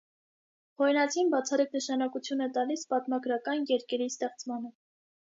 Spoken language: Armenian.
Խորենացին բացառիկ նշանակություն է տալիս պատմագրական երկերի ստեղծմանը։